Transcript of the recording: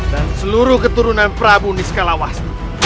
dan seluruh keturunan prabu niskalawas